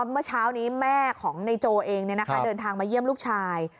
เมื่อเช้านี้แม่ของนายโจเองเดินทางมาเยี่ยมลูกชาย